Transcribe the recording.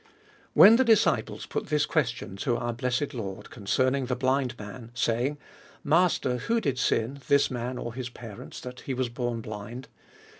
When the disciples put this question to our blessed Lord^ concerning the biiiid maii^ saying. Master, who did sin, this 7nan, or his parents, that he was born blind